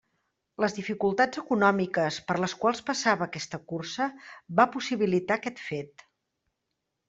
Les dificultats econòmiques per les quals passava aquesta cursa va possibilitar aquest fet.